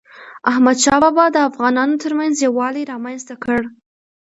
احمدشاه بابا د افغانانو ترمنځ یووالی رامنځته کړ.